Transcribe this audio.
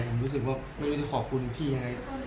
ผมรู้สึกว่าไม่รู้จะขอบคุณพี่ยังไง